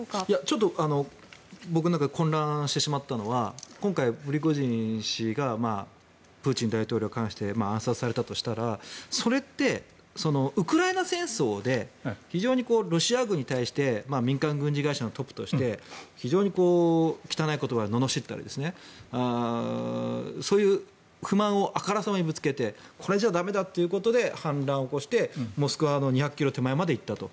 ちょっと僕の中で混乱してしまったのは今回、プリゴジン氏がプーチン大統領に関して暗殺されたとしたらそれってウクライナ戦争で非常に、ロシア軍に対して民間軍事会社のトップとして非常に汚い言葉で罵ったりそういう不満をあからさまにぶつけてこれじゃあ駄目だということで反乱を起こしてモスクワの２００ｋｍ手前まで行ったと。